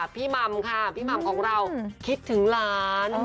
หม่ำค่ะพี่หม่ำของเราคิดถึงหลาน